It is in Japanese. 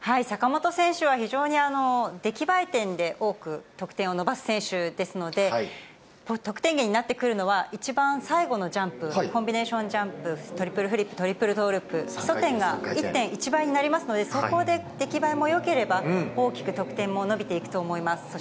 坂本選手は非常に出来栄え点で多く得点を伸ばす選手ですので、得点源になってくるのは、一番最後のジャンプ、コンビネーションジャンプ、トリプルフリップ、トリプルトーループ、基礎点が１．１倍になりますので、そこで出来栄えもよければ、大きく得点も伸びていくと思います。